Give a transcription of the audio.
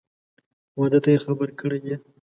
واده ته یې خبر کړی یې؟